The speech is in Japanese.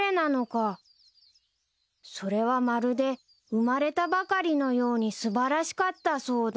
［それはまるで生まれたばかりのように素晴らしかったそうだ］